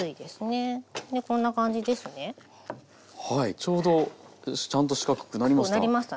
ちょうどちゃんと四角くなりました。